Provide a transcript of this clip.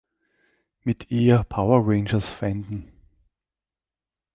Mit eher Power Rangers-Feinden.